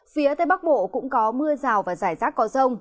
phía tây bắc bộ cũng có mưa rào và rải rác có rông